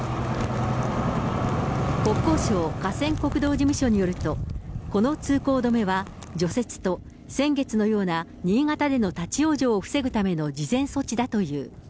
国交省河川国道事務所によると、この通行止めは、除雪と先月のような新潟での立往生を防ぐための事前措置だという。